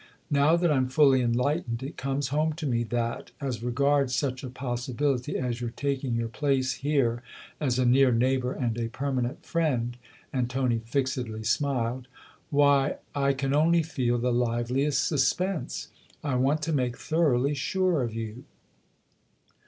Now that I'm fully enlightened it comes home to me that, as regards such a possibility as your taking your place here as a near neighbour and a permanent friend " and Tony fixedly smiled " why, I can only feel the liveliest suspense. I want to make thoroughly sure of you